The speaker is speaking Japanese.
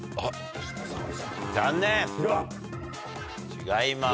違います。